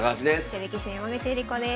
女流棋士の山口恵梨子です。